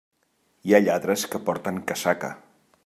Hi ha lladres que porten casaca.